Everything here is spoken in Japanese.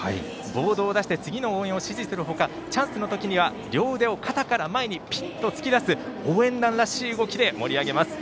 ボードを出して次の応援を指示するほかチャンスの時には両腕を肩から前にピッと突き出す応援団らしい動きで盛り上げます。